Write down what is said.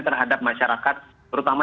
terhadap masyarakat terutama